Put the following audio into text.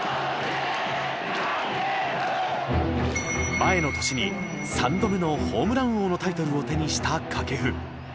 前の年に３度目のホームラン王のタイトルを手にした掛布。